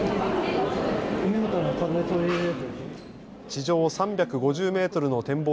地上３５０メートルの展望